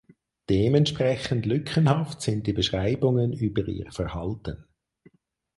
Dementsprechend lückenhaft sind die Beschreibungen über ihr Verhalten.